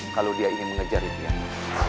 kalau dia ingin mengejar itu